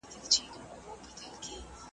مُلا ډوب سو په سبا یې جنازه سوه .